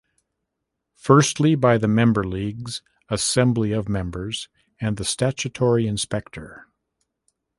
Firstly, by the Member Leagues, Assembly of Members and the Statutory Inspector.